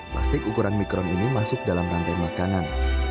plastik ukuran mikron ini masuk dalam rantai makanan